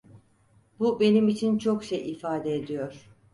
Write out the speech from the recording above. Bu benim için çok şey ifade ediyor.